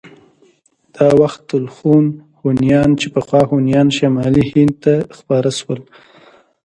دا وخت الخون هونيان چې پخوا هونيان شمالي هند ته خپاره شول.